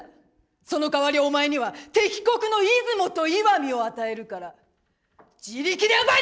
そのかわりお前には敵国の出雲と石見を与えるから自力で奪い取ってこい！」。